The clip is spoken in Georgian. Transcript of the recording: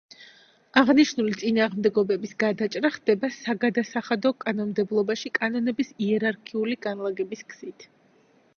აღნიშნული წინააღმდეგობების გადაჭრა ხდება, საგადასახადო კანონმდებლობაში კანონების იერარქიული განლაგების გზით.